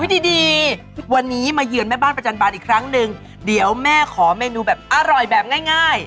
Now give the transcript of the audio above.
ดีดีวันนี้มาเยือนแม่บ้านประจันบาลอีกครั้งหนึ่งเดี๋ยวแม่ขอเมนูแบบอร่อยแบบง่ายง่าย